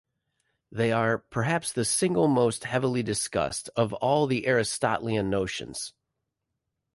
They are "perhaps the single most heavily discussed of all Aristotelian notions".